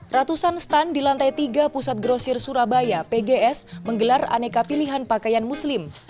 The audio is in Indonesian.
ratusan stand di lantai tiga pusat grosir surabaya pgs menggelar aneka pilihan pakaian muslim